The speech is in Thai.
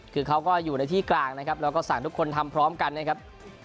คือเขาก็อยู่ในที่กลางนะครับแล้วก็สั่งทุกคนทำพร้อมกันนะครับ